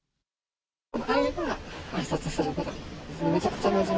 会えばあいさつするぐらい。